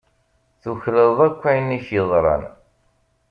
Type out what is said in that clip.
Tuklaleḍ akk ayen i ak-yeḍran.